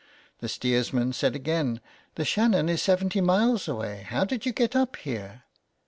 The steersman said again, " The Shannon is seventy miles away, how did you get up here